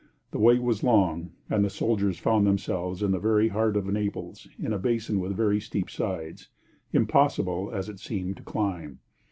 The way was long, and the soldiers found themselves in the very heart of Naples, in a basin with very steep sides, impossible, as it seemed, to climb.